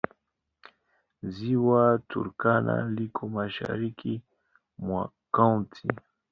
Ziwa Turkana liko mashariki mwa kaunti.